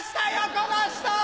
この人！